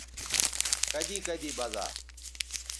کدی کدی بزا